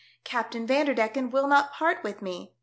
Captain Vanderdecken will not part with me.